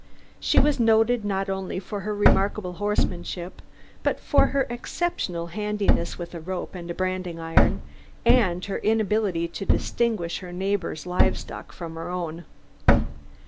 She was noted not only for her remarkable horsemanship, but for her exceptional handiness with a rope and branding iron, and her inability to distinguish her neighbors' livestock from her own.